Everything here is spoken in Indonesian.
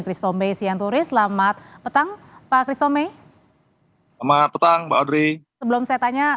kristome sianturi selamat petang pak kristome selamat petang badri sebelum saya tanya